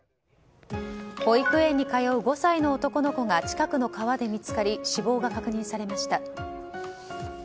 保育園に通う５歳の男の子で近くの川で見つかり死亡が確認されました。